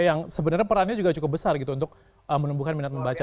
yang sebenarnya perannya juga cukup besar gitu untuk menumbuhkan minat membaca